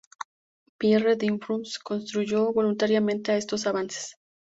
Pierre Dreyfus contribuyó voluntariamente a estos avances.